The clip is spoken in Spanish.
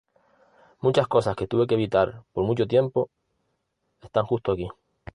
Muchas cosas que tuve que evitar por mucho tiempo están justo aquí.